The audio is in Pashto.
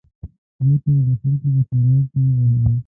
بېرته به د خلکو په سېلاب کې وبهېدم.